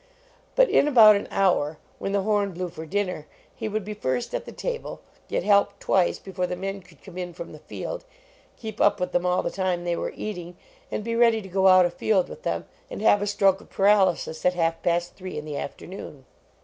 But in about an hour, when the horn blew for dinner, he would be first at the table, get helped twice before the men could come in from the field, keep up with them all the time they were eating, and be ready to go out a field with them and have a stroke of par alysis at half past three in the afternoon.